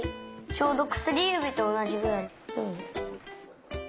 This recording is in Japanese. ちょうどくすりゆびとおなじぐらい。